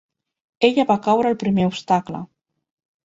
Ella va caure al primer obstacle.